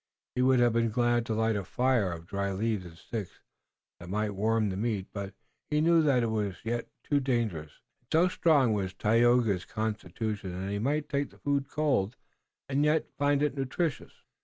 He would have been glad to light a fire of dry leaves and sticks, that he might warm the meat, but he knew that it was yet too dangerous, and so strong was Tayoga's constitution that he might take the food cold, and yet find it nutritious.